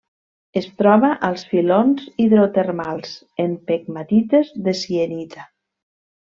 Es troba als filons hidrotermals en pegmatites de sienita.